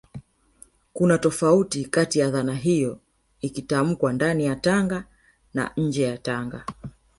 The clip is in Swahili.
kuna tofauti kati ya dhana hiyo ikitamkwa ndani ya Tanga na nje ya Tanga